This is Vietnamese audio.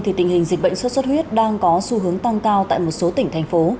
thì tình hình dịch bệnh xuất xuất huyết đang có xu hướng tăng cao tại một số tỉnh thành phố